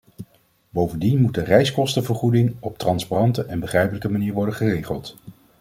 Bovendien moet de reiskostenvergoeding op een transparante en begrijpelijke manier worden geregeld.